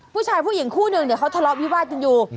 ผู้หญิงคู่นึงเนี่ยเขาทะเลาะวิวาสกันอยู่